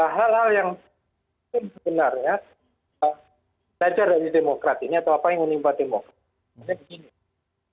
hal hal yang sebenarnya belajar dari demokrat ini atau apa yang menimpa demokrat